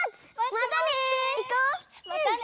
またね！